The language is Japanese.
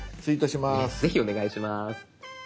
ぜひお願いします。